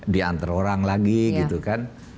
diantar orang lagi gitu kan